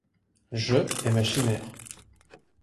Je est ma chimère.